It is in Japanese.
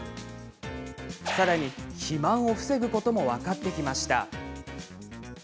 さらに、肥満を防ぐことも分かってきました。